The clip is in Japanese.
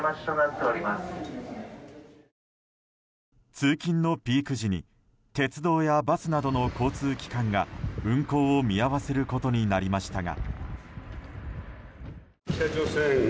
通勤のピーク時に鉄道やバスなどの交通機関が運行を見合わせることになりましたが。